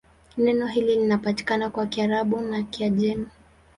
Neno hili linapatikana kwa Kiarabu na Kiajemi.